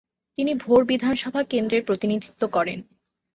তিনি ভোর বিধানসভা কেন্দ্রের প্রতিনিধিত্ব করেন।